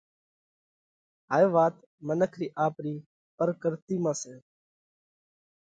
هائي وات منک رِي آپرِي پرڪرتِي مانه سئہ۔